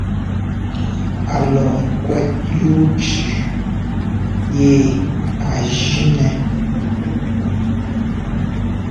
A lɔ kwɛ́t yú cʉʉ yi a jʉ̈ nɛ́.